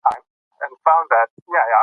پيغمبر نارينه وي او خوراک کوي